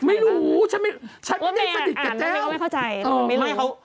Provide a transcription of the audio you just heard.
ไม่แรร์เขา